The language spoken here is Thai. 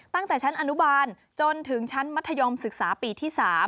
ตั้งแต่ชั้นอนุบาลจนถึงชั้นมัธยมศึกษาปีที่๓